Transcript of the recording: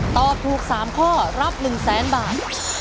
ตอบถูก๓ข้อรับ๑๐๐๐๐๐บาท